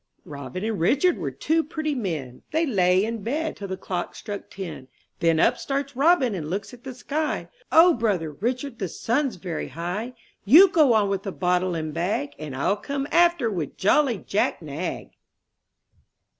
"ROBIN and Richard were two pretty men; ■■^ They lay in bed till the clock struck ten; Then up starts Robin and looks at the sky, "Oh, brother Richard, the sun's very high! You go on with the bottle and bag, And ril come after with Jolly Jack Nag.'